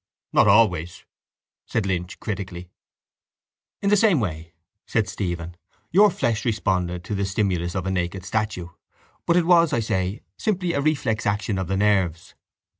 —Not always, said Lynch critically. —In the same way, said Stephen, your flesh responded to the stimulus of a naked statue, but it was, I say, simply a reflex action of the nerves.